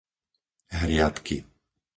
Hriadky